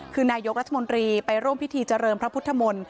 คือนายกรัฐมนตรีไปร่วมพิธีเจริญพระพุทธมนตร์